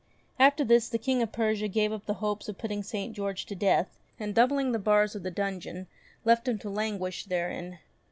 After this the King of Persia gave up the hopes of putting St. George to death, and, doubling the bars of the dungeon left him to languish therein.